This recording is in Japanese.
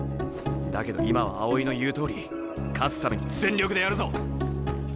だけど今は青井の言うとおり勝つために全力でやるぞ。